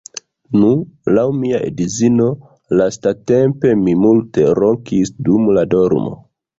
Nu, laŭ mia edzino, lastatempe, mi multe ronkis dum la dormo